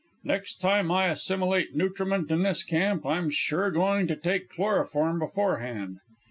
Next time I assimilate nutriment in this camp I'm sure going to take chloroform beforehand.